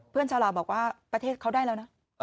ชาวลาวบอกว่าประเทศเขาได้แล้วนะ